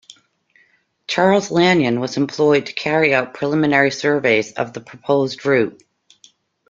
Charles Lanyon was employed to carry out preliminary surveys of the proposed route.